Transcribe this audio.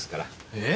えっ？